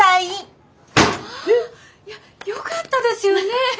えっ！？わよかったですよね！